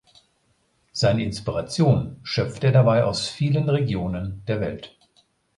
Seine Inspiration schöpft er dabei aus vielen Regionen der Welt.